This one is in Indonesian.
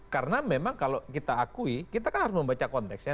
karena memang kalau kita akui kita kan harus membaca konteksnya